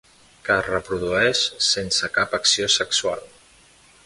Que es reprodueix sense cap acció sexual.